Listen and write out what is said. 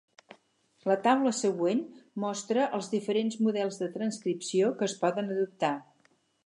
La taula següent mostra els diferents models de transcripció que es poden adoptar.